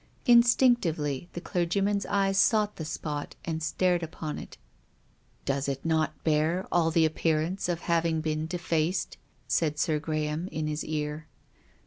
Instinctively the clergyman's eyes sought the spot and stared upon it. " Does it not bear all the appearance of having been defaced ?" said Sir Graham in his ear.